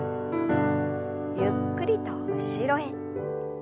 ゆっくりと後ろへ。